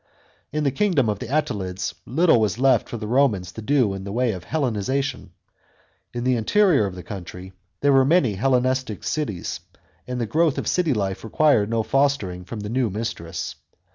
In the kingdom of the Attalids little was left for the Romans to do in the way of Hellenisation. In the interior of the country there were many Hellenistic cities, and the growth of city life required no filtering from the new mistress.